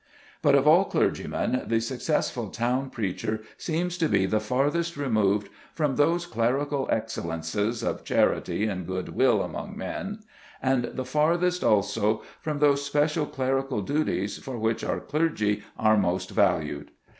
But, of all clergymen, the successful town preacher seems to be the farthest removed from those clerical excellences of charity and good will among men, and the farthest also from those special clerical duties for which our clergy are most valued.